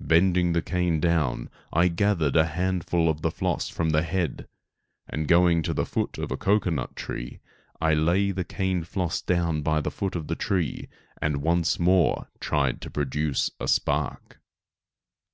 Bending the cane down I gathered a handful of the floss from the head, and going to the foot of a cocoanut tree, I lay the cane floss down by the foot of the tree and once more tried to produce a spark.